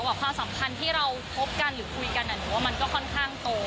ความสำคัญที่เราพบกันหรือคุยกันมันก็ค่อนข้างโต